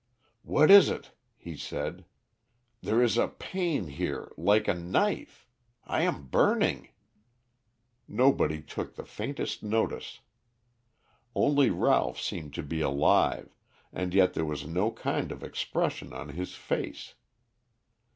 "What is it?" he said. "There is a pain here like a knife. I am burning." Nobody took the faintest notice. Only Ralph seemed to be alive, and yet there was no kind of expression on his face.